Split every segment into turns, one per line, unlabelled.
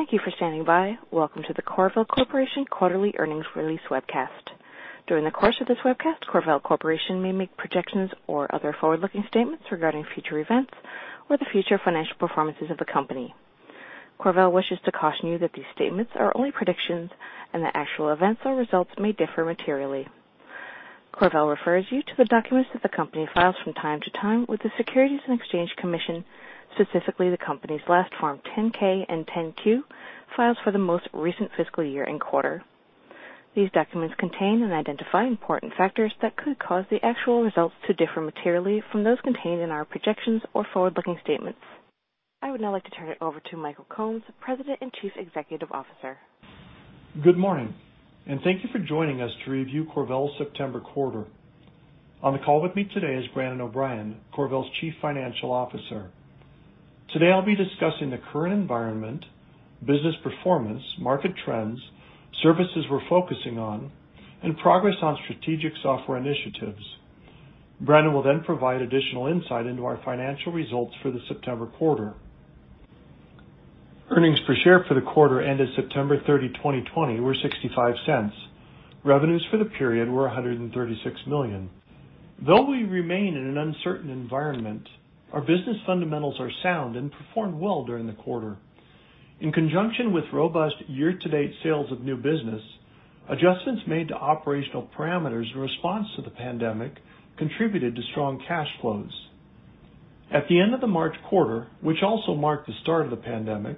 Thank you for standing by. Welcome to the CorVel Corporation quarterly earnings release webcast. During the course of this webcast, CorVel Corporation may make projections or other forward-looking statements regarding future events or the future financial performances of the company. CorVel wishes to caution you that these statements are only predictions, and that actual events or results may differ materially. CorVel refers you to the documents that the company files from time to time with the Securities and Exchange Commission, specifically the company's last Form 10-K and 10-Q files for the most recent fiscal year and quarter. These documents contain and identify important factors that could cause the actual results to differ materially from those contained in our projections or forward-looking statements. I would now like to turn it over to Michael Combs, President and Chief Executive Officer.
Good morning, and thank you for joining us to review CorVel's September quarter. On the call with me today is Brandon O'Brien, CorVel's Chief Financial Officer. Today, I'll be discussing the current environment, business performance, market trends, services we're focusing on, and progress on strategic software initiatives. Brandon will provide additional insight into our financial results for the September quarter. Earnings per share for the quarter ended September 30, 2020, were $0.65. Revenues for the period were $136 million. Though we remain in an uncertain environment, our business fundamentals are sound and performed well during the quarter. In conjunction with robust year-to-date sales of new business, adjustments made to operational parameters in response to the pandemic contributed to strong cash flows. At the end of the March quarter, which also marked the start of the pandemic,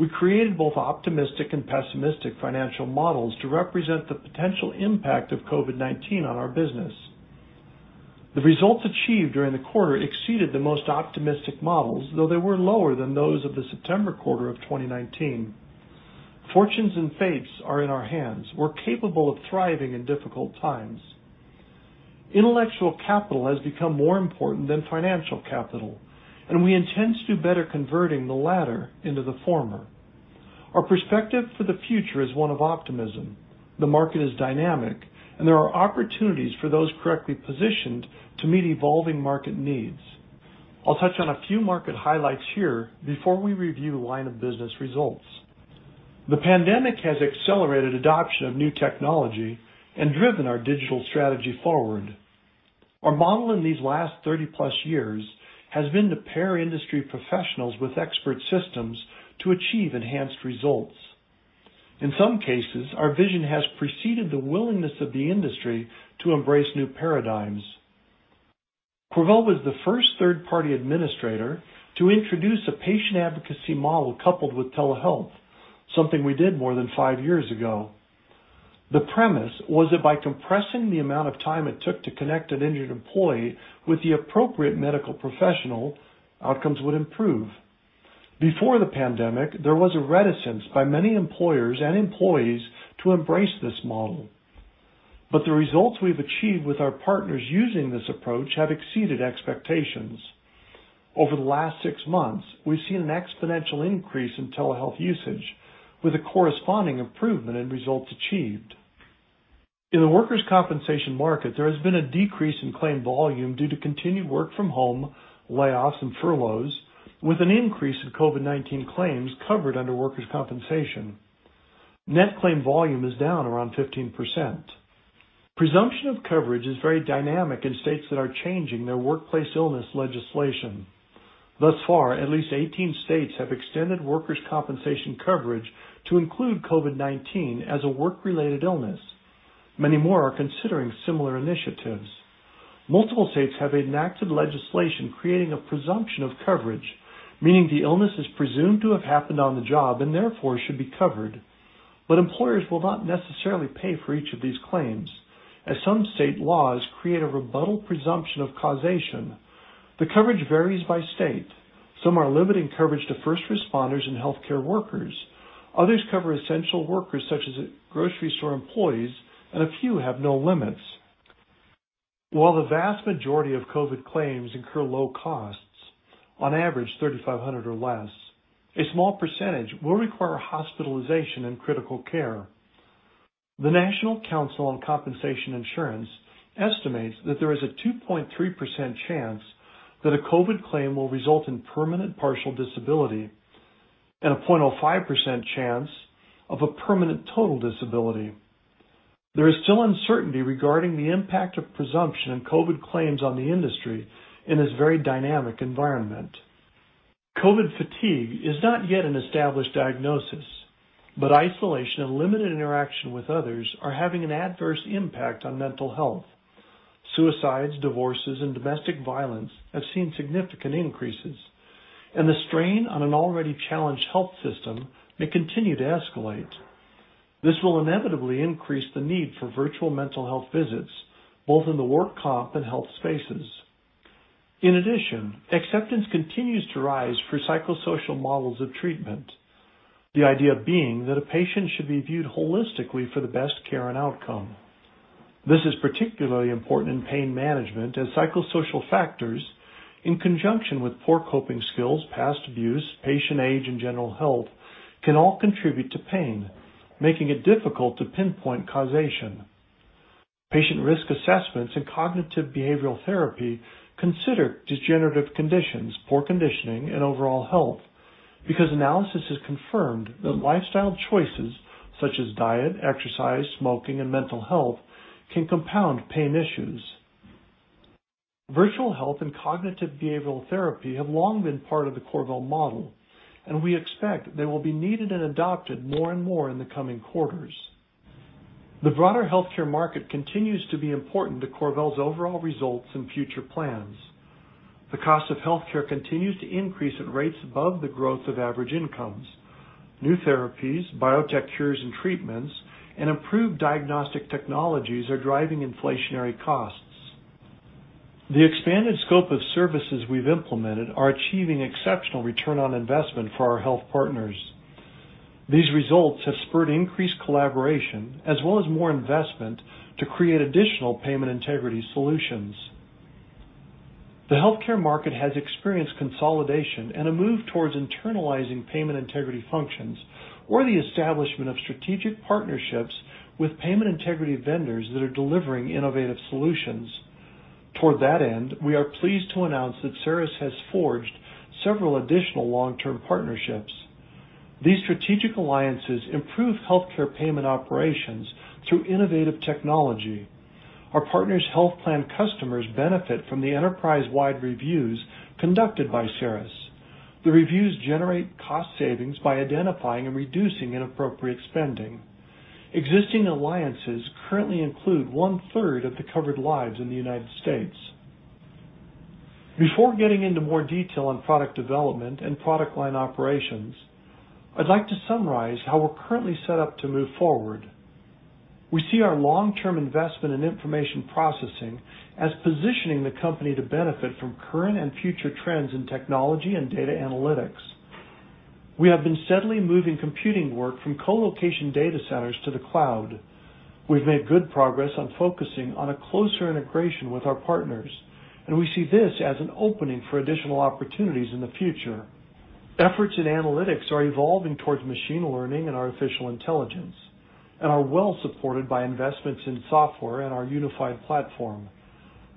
we created both optimistic and pessimistic financial models to represent the potential impact of COVID-19 on our business. The results achieved during the quarter exceeded the most optimistic models, though they were lower than those of the September quarter of 2019. Fortunes and fates are in our hands. We're capable of thriving in difficult times. Intellectual capital has become more important than financial capital, and we intend to do better converting the latter into the former. Our perspective for the future is one of optimism. The market is dynamic, and there are opportunities for those correctly positioned to meet evolving market needs. I'll touch on a few market highlights here before we review line of business results. The pandemic has accelerated adoption of new technology and driven our digital strategy forward. Our model in these last 30+ years has been to pair industry professionals with expert systems to achieve enhanced results. In some cases, our vision has preceded the willingness of the industry to embrace new paradigms. CorVel was the first third-party administrator to introduce a patient advocacy model coupled with telehealth, something we did more than five years ago. The premise was that by compressing the amount of time it took to connect an injured employee with the appropriate medical professional, outcomes would improve. Before the pandemic, there was a reticence by many employers and employees to embrace this model. The results we've achieved with our partners using this approach have exceeded expectations. Over the last six months, we've seen an exponential increase in telehealth usage, with a corresponding improvement in results achieved. In the workers' compensation market, there has been a decrease in claim volume due to continued work from home, layoffs, and furloughs, with an increase in COVID-19 claims covered under workers' compensation. Net claim volume is down around 15%. Presumption of coverage is very dynamic in states that are changing their workplace illness legislation. Thus far, at least 18 states have extended workers' compensation coverage to include COVID-19 as a work-related illness. Many more are considering similar initiatives. Multiple states have enacted legislation creating a presumption of coverage, meaning the illness is presumed to have happened on the job and therefore should be covered. Employers will not necessarily pay for each of these claims, as some state laws create a rebuttable presumption of causation. The coverage varies by state. Some are limiting coverage to first responders and healthcare workers. Others cover essential workers such as grocery store employees, and a few have no limits. While the vast majority of COVID claims incur low costs, on average $3,500 or less, a small percentage will require hospitalization and critical care. The National Council on Compensation Insurance estimates that there is a 2.3% chance that a COVID claim will result in permanent partial disability and a 0.05% chance of a permanent total disability. There is still uncertainty regarding the impact of presumption in COVID claims on the industry in this very dynamic environment. COVID fatigue is not yet an established diagnosis, but isolation and limited interaction with others are having an adverse impact on mental health. Suicides, divorces, and domestic violence have seen significant increases, and the strain on an already challenged health system may continue to escalate. This will inevitably increase the need for virtual mental health visits, both in the work comp and health spaces. In addition, acceptance continues to rise for psychosocial models of treatment. The idea being that a patient should be viewed holistically for the best care and outcome. This is particularly important in pain management, as psychosocial factors, in conjunction with poor coping skills, past abuse, patient age, and general health, can all contribute to pain, making it difficult to pinpoint causation. Patient risk assessments and cognitive behavioral therapy consider degenerative conditions, poor conditioning, and overall health, because analysis has confirmed that lifestyle choices such as diet, exercise, smoking, and mental health can compound pain issues. Virtual health and cognitive behavioral therapy have long been part of the CorVel model, and we expect they will be needed and adopted more and more in the coming quarters. The broader healthcare market continues to be important to CorVel's overall results and future plans. The cost of healthcare continues to increase at rates above the growth of average incomes. New therapies, biotech cures and treatments, and improved diagnostic technologies are driving inflationary costs. The expanded scope of services we've implemented are achieving exceptional return on investment for our health partners. These results have spurred increased collaboration as well as more investment to create additional payment integrity solutions. The healthcare market has experienced consolidation and a move towards internalizing payment integrity functions, or the establishment of strategic partnerships with payment integrity vendors that are delivering innovative solutions. Toward that end, we are pleased to announce that CERIS has forged several additional long-term partnerships. These strategic alliances improve healthcare payment operations through innovative technology. Our partners' health plan customers benefit from the enterprise-wide reviews conducted by CERIS. The reviews generate cost savings by identifying and reducing inappropriate spending. Existing alliances currently include one-third of the covered lives in the U.S. Before getting into more detail on product development and product line operations, I'd like to summarize how we're currently set up to move forward. We see our long-term investment in information processing as positioning the company to benefit from current and future trends in technology and data analytics. We have been steadily moving computing work from co-location data centers to the cloud. We've made good progress on focusing on a closer integration with our partners, and we see this as an opening for additional opportunities in the future. Efforts in analytics are evolving towards machine learning and artificial intelligence and are well supported by investments in software and our unified platform.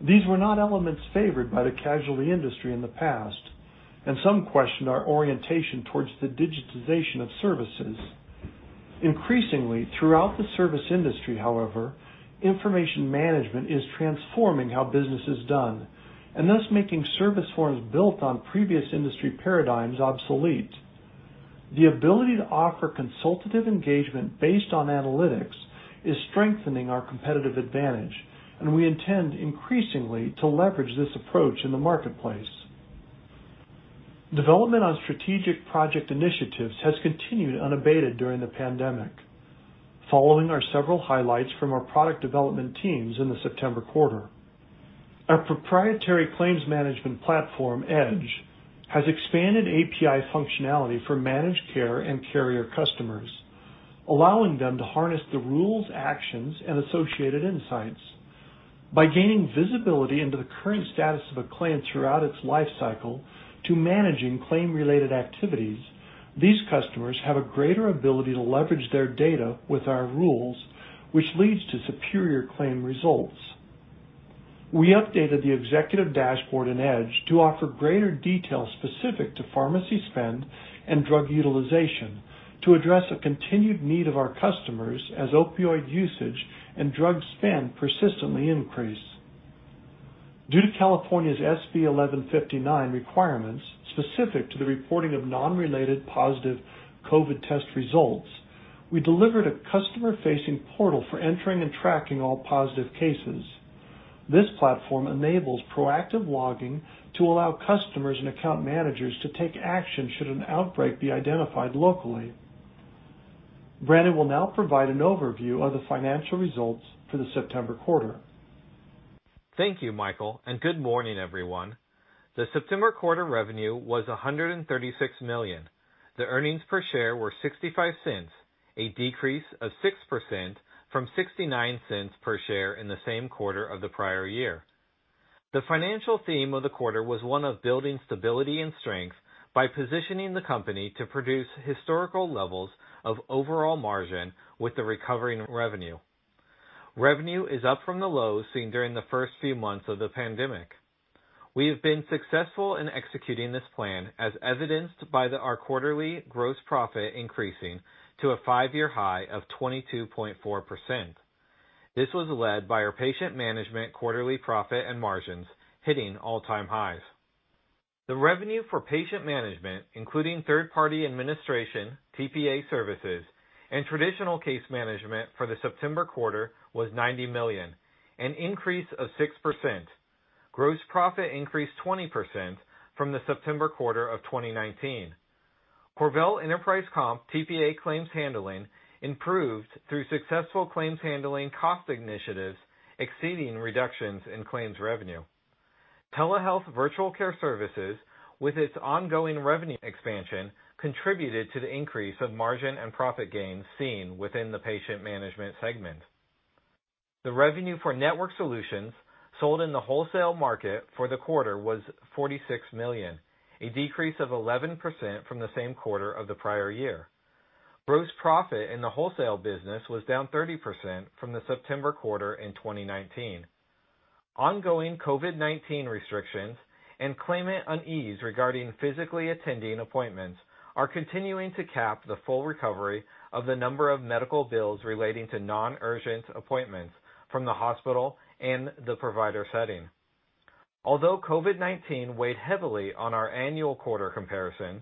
These were not elements favored by the casualty industry in the past, and some questioned our orientation towards the digitization of services. Increasingly throughout the service industry, however, information management is transforming how business is done and thus making service forms built on previous industry paradigms obsolete. The ability to offer consultative engagement based on analytics is strengthening our competitive advantage, and we intend increasingly to leverage this approach in the marketplace. Development on strategic project initiatives has continued unabated during the pandemic. Following are several highlights from our product development teams in the September quarter. Our proprietary claims management platform, Edge, has expanded API functionality for managed care and carrier customers, allowing them to harness the rules, actions, and associated insights. By gaining visibility into the current status of a claim throughout its life cycle to managing claim-related activities, these customers have a greater ability to leverage their data with our rules, which leads to superior claim results. We updated the executive dashboard in Edge to offer greater detail specific to pharmacy spend and drug utilization to address a continued need of our customers as opioid usage and drug spend persistently increase. Due to California's SB 1159 requirements specific to the reporting of non-related positive COVID test results, we delivered a customer-facing portal for entering and tracking all positive cases. This platform enables proactive logging to allow customers and account managers to take action should an outbreak be identified locally. Brandon will now provide an overview of the financial results for the September quarter.
Thank you, Michael, and good morning, everyone. The September quarter revenue was $136 million. The earnings per share were $0.65, a decrease of 6% from $0.69 per share in the same quarter of the prior year. The financial theme of the quarter was one of building stability and strength by positioning the company to produce historical levels of overall margin with the recovery in revenue. Revenue is up from the lows seen during the first few months of the pandemic. We have been successful in executing this plan, as evidenced by our quarterly gross profit increasing to a five-year high of 22.4%. This was led by our patient management quarterly profit and margins hitting all-time highs. The revenue for patient management, including third party administration, TPA services, and traditional case management for the September quarter was $90 million, an increase of 6%. Gross profit increased 20% from the September quarter of 2019. CorVel Enterprise Comp TPA claims handling improved through successful claims handling cost initiatives exceeding reductions in claims revenue. Telehealth virtual care services with its ongoing revenue expansion contributed to the increase of margin and profit gains seen within the patient management segment. The revenue for network solutions sold in the wholesale market for the quarter was $46 million, a decrease of 11% from the same quarter of the prior year. Gross profit in the wholesale business was down 30% from the September quarter in 2019. Ongoing COVID-19 restrictions and claimant unease regarding physically attending appointments are continuing to cap the full recovery of the number of medical bills relating to non-urgent appointments from the hospital and the provider setting. Although COVID-19 weighed heavily on our annual quarter comparisons,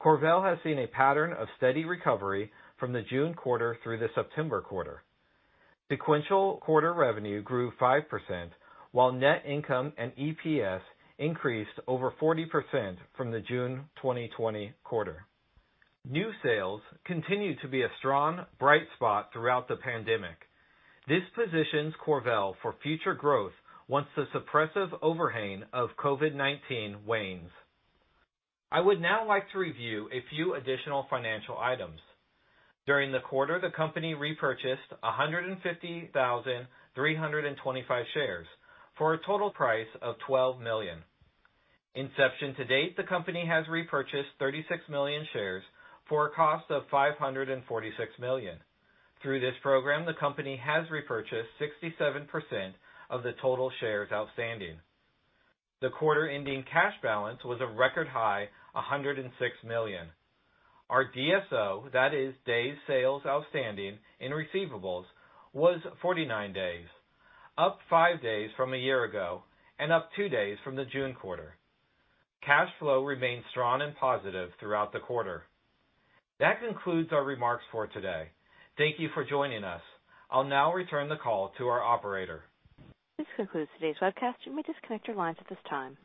CorVel has seen a pattern of steady recovery from the June quarter through the September quarter. Sequential quarter revenue grew 5%, while net income and EPS increased over 40% from the June 2020 quarter. New sales continue to be a strong bright spot throughout the pandemic. This positions CorVel for future growth once the suppressive overhang of COVID-19 wanes. I would now like to review a few additional financial items. During the quarter, the company repurchased 150,325 shares for a total price of $12 million. Inception to date, the company has repurchased 36 million shares for a cost of $546 million. Through this program, the company has repurchased 67% of the total shares outstanding. The quarter-ending cash balance was a record high, $106 million. Our DSO, that is days sales outstanding in receivables, was 49 days, up five days from a year ago and up two days from the June quarter. Cash flow remained strong and positive throughout the quarter. That concludes our remarks for today. Thank you for joining us. I'll now return the call to our operator.
This concludes today's webcast. You may disconnect your lines at this time.